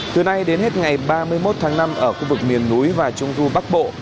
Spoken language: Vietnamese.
từ nay đến hết ngày ba mươi một tháng năm ở khu vực miền núi và trung du bắc bộ